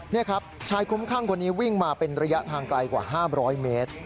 นี่ครับชายคุ้มข้างคนนี้วิ่งมาเป็นระยะทางไกลกว่า๕๐๐เมตร